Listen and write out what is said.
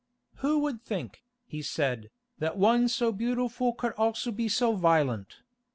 "Who would think," he said, "that one so beautiful could also be so violent?